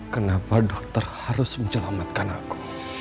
kenapa dokter harus menyelamatkan aku